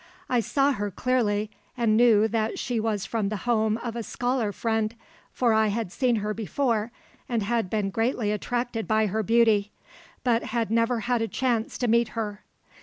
I saw her clearly, and knew that she was from the home of a scholar friend, for I had seen her before and had been greatly attracted by her beauty, but had never had a chance to meet her.